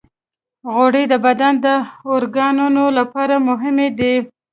غوړې د بدن د اورګانونو لپاره مهمې دي.